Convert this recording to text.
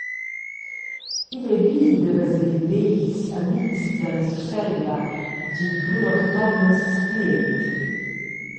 Igl ei bi da veser vegls amitgs dalla Surselva», di Bruno Cathomas riend.